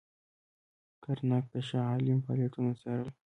کرناک د شاه عالم فعالیتونه څارل.